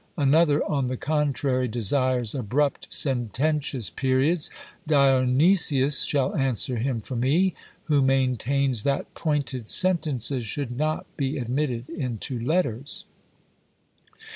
Another, on the contrary, desires abrupt sententious periods; Dionysius shall answer him for me, who maintains that pointed sentences should not be admitted into letters.